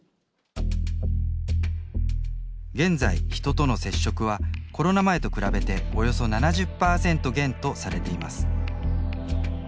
現在、人との接触はコロナ前と比べておよそ７０％減とされています。